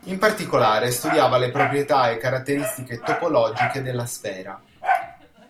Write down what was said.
In particolare, studiava le proprietà e caratteristiche topologiche della sfera.